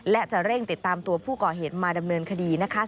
และจะเร่งติดตามตัวผู้ก่อเหตุมาดำเนินคดีนะคะ